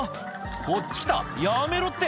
こっち来たやめろって」